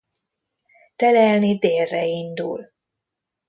Telelni délre indul.